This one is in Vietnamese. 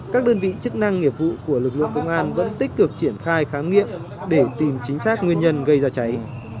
các đơn vị chức năng nghiệp vụ của lực lượng công an vẫn tích cực triển khai khám nghiệm để tìm chính xác nguyên nhân gây ra cháy